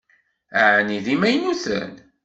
Ɛni d imaynuten?